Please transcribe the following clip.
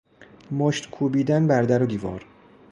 مشت کوبیدن بر در و دیوار